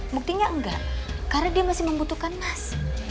buktinya enggak karena dia masih membutuhkan mas